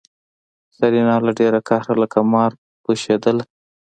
سېرېنا له ډېره قهره لکه مار پشېدله.